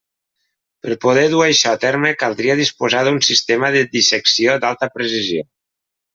Per poder dur això a terme caldria disposar d'un sistema de dissecció d'alta precisió.